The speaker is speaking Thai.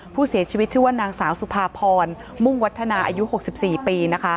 ผู้เสียชีวิตชื่อว่านางสาวสุภาพรมุ่งวัฒนาอายุ๖๔ปี